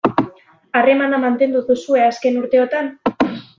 Harremana mantendu duzue azken urteotan?